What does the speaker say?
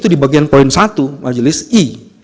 itu di bagian poin satu majelis i